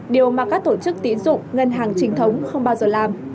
điều mà các tổ chức tín dụng ngân hàng chính thống không bao giờ làm